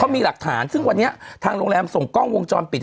มีหลักฐานซึ่งวันนี้ทางโรงแรมส่งกล้องวงจรปิด